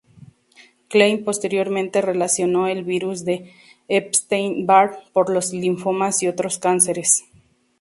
Klein posteriormente relacionó el virus de Epstein-Barr con los linfomas y otros cánceres.